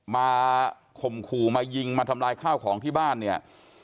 ข่มขู่มายิงมาทำลายข้าวของที่บ้านเนี่ย